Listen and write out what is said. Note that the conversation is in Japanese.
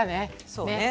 そうね。